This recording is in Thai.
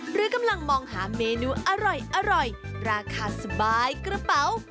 หรือกำลังมองหาเมนูอร่อยราคาสบายกระเป๋า